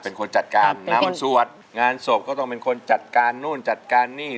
เป็นคนจัดการนำสวดงานศพก็ต้องเป็นคนจัดการนู่นจัดการนี่